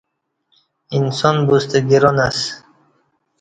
انسان بوستہ گران اسہ